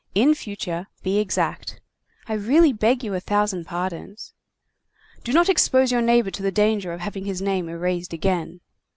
In future, be exact." "I really beg you a thousand pardons." "Do not expose your neighbor to the danger of having his name erased again."